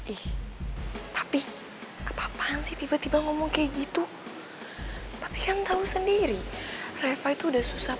ih tapi kepapaan sih tiba tiba ngomong kayak gitu tapi kan tahu sendiri reva itu udah susah